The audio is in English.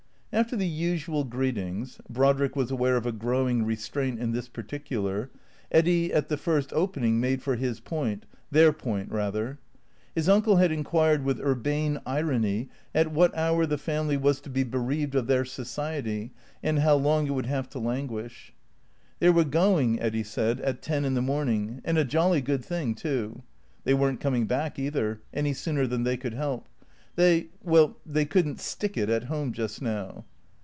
After the usual greetings (Brodrick was aware of a growing restraint in this particular) Eddy, at the first opening, made for his point — their point, rather. His uncle had inquired with urbane irony at what hour the family was to be bereaved of their society, and how long it would have to languish They were going, Eddy said, at ten in the morning, and a jolly good thing too. They were n't coming back, either, any sooner than they could help. They — well, they could n't " stick it " at home just now.